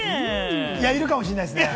いやいるかもしれないですね。